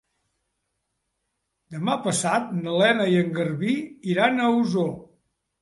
Demà passat na Lena i en Garbí iran a Osor.